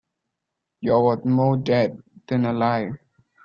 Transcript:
You're worth more dead than alive.